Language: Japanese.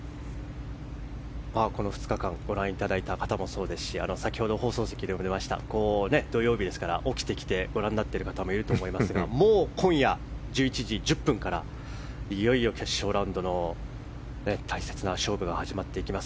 この２日間ご覧いただいた方もそうですし先ほど放送席でも言いましたが土曜日ですから起きてきてご覧になっている方もいると思いますがもう、今夜１１時１０分からいよいよ決勝ラウンドの大切な勝負が始まっていきます。